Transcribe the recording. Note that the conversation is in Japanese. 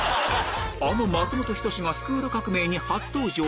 あの松本人志が『スクール革命！』に初登場？